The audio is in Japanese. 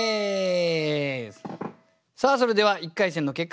さあそれでは１回戦の結果発表です。